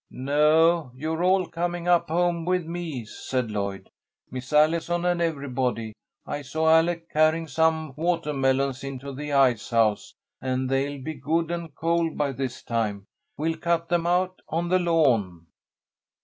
"No, you're all coming up home with me," said Lloyd, "Miss Allison and everybody. I saw Alec carrying some watahmelons into the ice house, and they'll be good and cold by this time. We'll cut them out on the lawn."